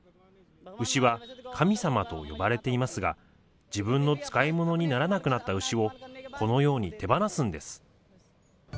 牛は神様と呼ばれていますが、自分の使いものにならなくなった牛を、このように手放すんです。